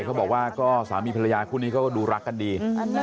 เขาบอกว่าก็สามีภรรยาคู่นี้เขาก็ดูรักกันดี